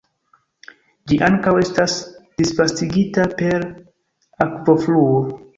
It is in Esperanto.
Ĝi ankaŭ estas disvastigita per akvofluo.